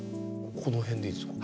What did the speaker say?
この辺でいいですか？